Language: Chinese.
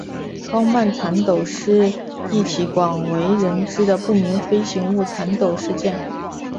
高曼缠斗是一起广为人知的不明飞行物缠斗事件。